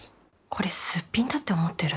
「これすっぴんだって思ってる？」。